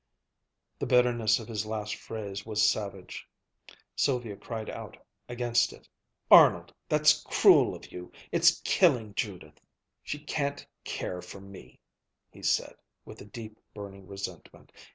The bitterness of his last phrase was savage. Sylvia cried out against it. "Arnold! That's cruel of you! It's killing Judith!" "She can't care for me," he said, with a deep, burning resentment.